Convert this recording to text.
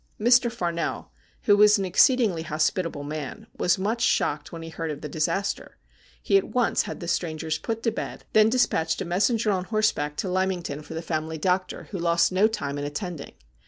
Mr. Farnell, who was an exceedingly hospitable man, was much shocked when he heard of the disaster. He at once had the strangers put to bed, then despatched a THE BELL OF DOOM 251 messenger on horseback to Lymington for the family doctor, who lost no time in attending.